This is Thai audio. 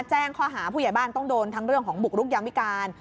แจ้งข้อหาผู้ใหญ่บ้านต้องโดนทั้งเรื่องของบุกรุกยามวิการ